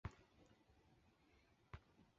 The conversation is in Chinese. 格罗索立功啦！